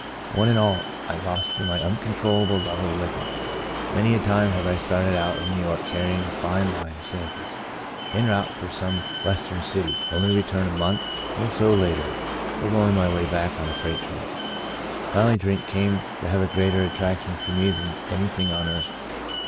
One and all I lost through my un controllable love of liquor. Many a time have I started out of New York carrying a fine line of samples, en route for some West ern city, only to return a month or so later, The Breaking of the Bread 65 hoboing my way back on a freight train. Finally, drink came to have a greater attrac tion for me than anything on earth.